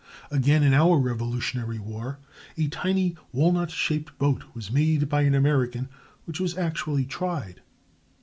Again, in our Revolutionary War, a tiny walnut shaped boat was made by an American, which was actually tried.